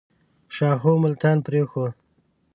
شاهو ملتان پرېښود.